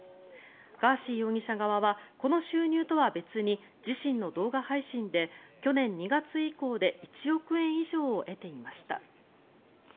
ガーシー容疑者側はこの収入とは別に自身の動画配信で去年２月以降で１億円以上を得ていました。